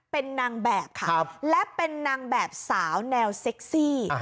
เป็นนางแบบค่ะและเป็นนางแบบสาวแนวเซ็กซี่